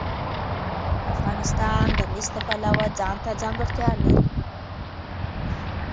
افغانستان د مس د پلوه ځانته ځانګړتیا لري.